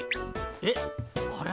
えっあれ？